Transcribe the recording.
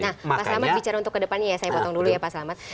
nah pak selamat bicara untuk kedepannya ya saya potong dulu ya pak selamat